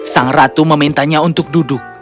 sang ratu memintanya untuk duduk